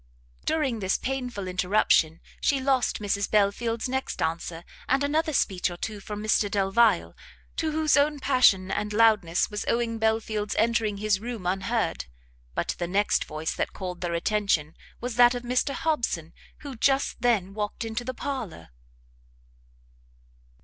During this painful interruption she lost Mrs Belfield's next answer, and another speech or two from Mr Delvile, to whose own passion and loudness was owing Belfield's entering his room unheard: but the next voice that called their attention was that of Mr Hobson, who just then walked into the parlour.